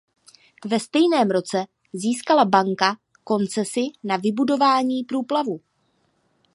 Ve stejném roce získala banka koncesi na vybudování průplavu.